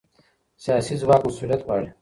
سیاسي ځواک مسؤلیت غواړي